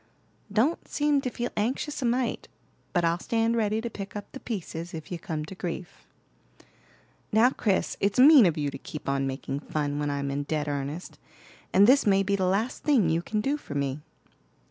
"Don't seem to feel anxious a mite. But I'll stand ready to pick up the pieces, if you come to grief." "Now, Chris, it's mean of you to keep on making fun when I'm in dead earnest; and this may be the last thing you can do for me."